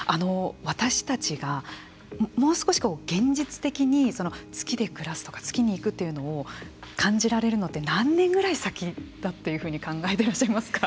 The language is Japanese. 私たちがもう少し現実的に月で暮らすとか月に行くというのを感じられるのって何年ぐらい先だっていうふうに考えていらっしゃいますか。